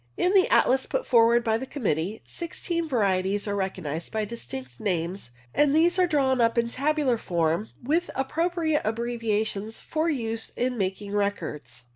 In the atlas put forward by the committee, six teen varieties are recognized by distinct names, and these are drawn up in tabular form with appropriate abbreviations for use in making records.